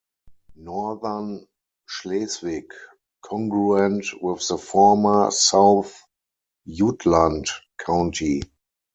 Northern Schleswig, congruent with the former South Jutland County.